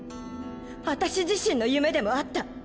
私自身の夢でもあった。